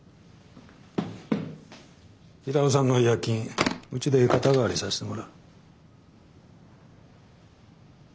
平尾さんの違約金うちで肩代わりさせてもらう。